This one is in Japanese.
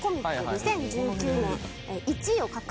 ２０１９年１位を獲得。